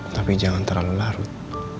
tapi jangan terlalu larut